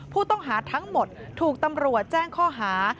ผู้ต้องหาทั้งหมดถูกตำรวจแจ้งข้อหา